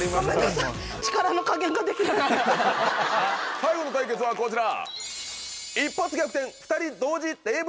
最後の対決はこちら。